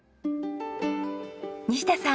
西田さん。